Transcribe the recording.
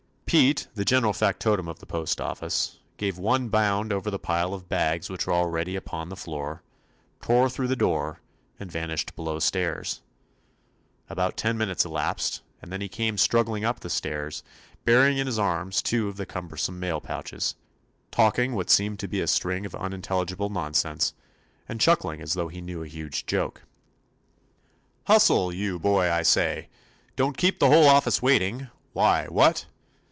Pete, the general factotum of the postoffice, gave one bound over the pile of bags which were already upon the floor, tore through the door, and vanished below stairs. About ten minutes elapsed and then he came 20 TOMMY POSTOFFICE struggling up the stairs, bearing in his arms two of the cumbersome mail pouchesj talking what seemed to "Here's the very mother's son of 'em," cried Pete. be a string of unintelligible non sense, and chuckling as though he knew a huge joke. 21 THE ADVENTURES OF "Hustle, you boy, I say I Don't keep the whole office waiting! Why'? What?"